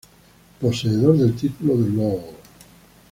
Poseedor del título de Lord.